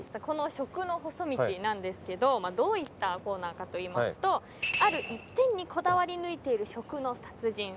この食の細道なんですけどどういったコーナーかといいますとある一点にこだわりぬいている食の達人